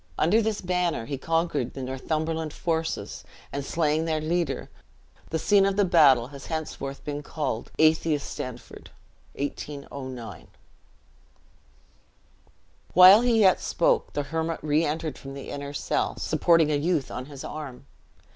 Under this banner he conquered the Northumberland forces, and slaying their leader, the scene of the battle has henceforth been called Atheistanford. (1809.) While he yet spoke, the hermit re entered from the inner cell, supporting a youth on his arm.